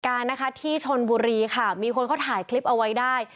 การนะคะที่ชนบุรีค่ะมีคนเขาถ่ายคลิปเอาไว้ได้